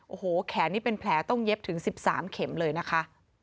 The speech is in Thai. โอ้โหแขนนี่เป็นแผลต้องเย็บถึง๑๓เข็มเลยนะคะ